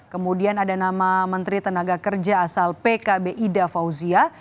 kemudian ada nama menteri tenaga kerja asal pkb ida fauzia